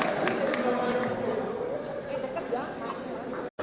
eh deket gak pak